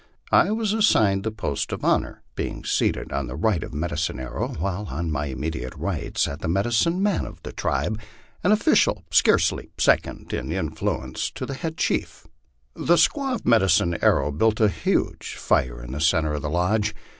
I was assigned the post of honor, being seated on the right of Medi cine Arrow, while on my immediate right sat the medicine man of the tribe, an official scarcely second in influence to the head chief. The squaAV of Medicine Arrow built a huge fire in the centre of the lodge.